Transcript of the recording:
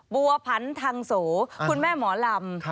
บัวผันทางโสคุณแม่หมอลำ